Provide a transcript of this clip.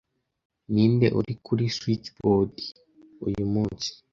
Ninde uri kuri switchboard uyumunsi?